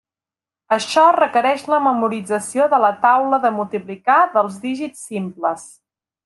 Això requereix la memorització de la taula de multiplicar dels dígits simples.